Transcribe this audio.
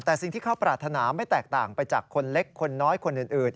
แต่สิ่งที่เขาปรารถนาไม่แตกต่างไปจากคนเล็กคนน้อยคนอื่น